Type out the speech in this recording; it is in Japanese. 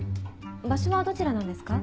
場所はどちらなんですか？